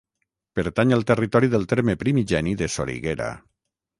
Pertany al territori del terme primigeni de Soriguera.